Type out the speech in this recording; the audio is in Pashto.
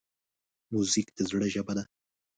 موزیک د زړه ژبه ده.